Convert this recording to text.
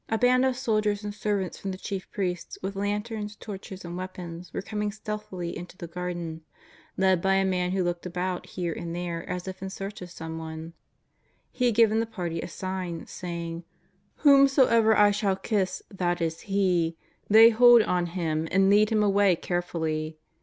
A band of soldiers and servants from the chief priests, with lanterns, torches and weapons, were com ing stealthily into the Garden, led by a man who looked about here and there as if in search of someone. He had given the party a sign, saying: ''Whomsoever I shall kiss, that is He; lay hold on Him and lead Him away carefully.''